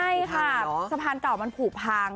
ใช่ค่ะสะพานเก่ามันผูกพัง